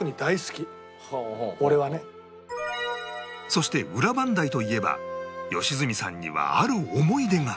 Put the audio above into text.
そして裏磐梯といえば良純さんにはある思い出が